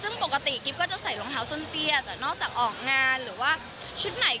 ซึ่งปกติกิ๊บก็จะใส่รองเท้าส้นเตี้ยแต่นอกจากออกงานหรือว่าชุดไหน